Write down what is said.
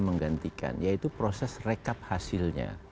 menggantikan yaitu proses rekap hasilnya